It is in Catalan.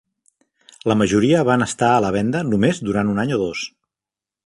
La majoria van estar a la venda només durant un any o dos.